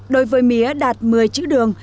đối với mía đạt một mươi chữ đường